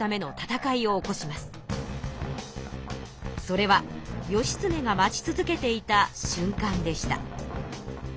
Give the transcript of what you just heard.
それは義経が待ち続けていたしゅんかんでした。